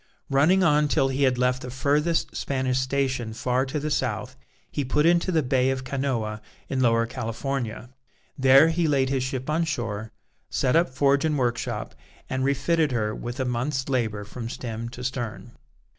Running on till he had left the furthest Spanish station far to the south, he put into the Bay of Canoa in Lower California. There he laid his ship on shore, set up forge and workshop, and refitted her with a month's labour from stem to stern.